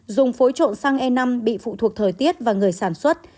dùng phối trộn sang e năm bị phụ thuộc thời tiết và người sản xuất